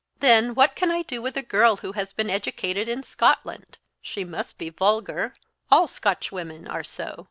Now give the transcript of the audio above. "Then what can I do with a girl who has been educated in Scotland? She must be vulgar all Scotchwomen are so.